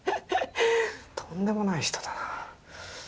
とんでもない人だな。